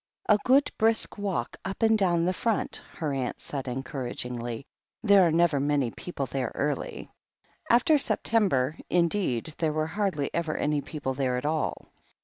"A good brisk walk up and down the Front," her aunt said encouragingly. "There are never many people there early." After September, indeed, there were hardly ever any people there at all.